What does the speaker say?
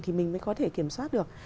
thì mình mới có thể kiểm soát được